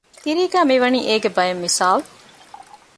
ތިރީގައި މި ވަނީ އޭގެ ބައެއް މިސާލު